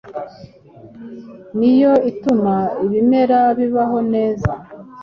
Ni yo ituma ibimera bibaho neza.